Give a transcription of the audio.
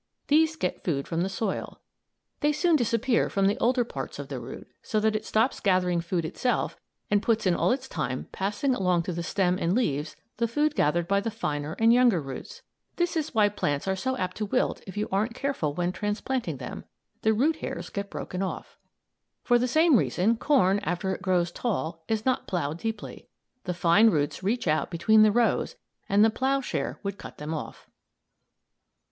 These get food from the soil. They soon disappear from the older parts of the root, so that it stops gathering food itself and puts in all its time passing along to the stem and leaves the food gathered by the finer and younger roots. This is why plants are so apt to wilt if you aren't careful when transplanting them; the root hairs get broken off. For the same reason, corn, after it grows tall, is not ploughed deeply. The fine roots reach out between the rows and the ploughshare would cut them off.